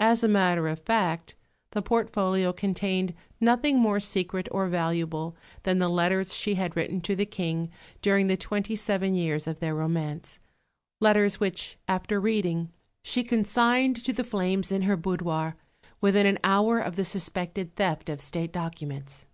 As a matter of fact the portfolio contained nothing more secret or valuable than the letters she had written to the King during the twenty seven years of their romance, letters which, after reading, she consigned to the flames in her boudoir within an hour of the suspected theft of State documents.